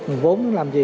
nguồn vốn làm gì